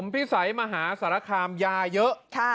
พิสัยมหาสารคามยาเยอะ